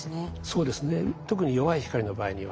そうですね。